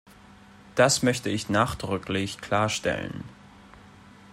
Das möchte ich nachdrücklich klarstellen.